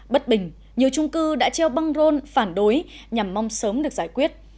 bất bình nhiều trung cư đã treo băng rôn phản đối nhằm mong sớm được giải quyết